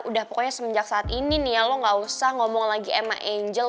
udah pokoknya semenjak saat ini nih ya lo gak usah ngomong lagi sama angel